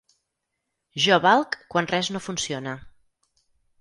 Jo valc quan res no funciona.